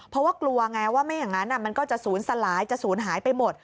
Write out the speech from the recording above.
เพราะว่ากลัวไงว่าไม่อย่างนั้นมันก็จะศูนย์สลายจะศูนย์หายไปหมด